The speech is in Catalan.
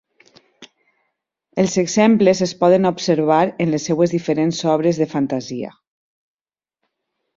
Els exemples es poden observar en les seues diferents obres de fantasia.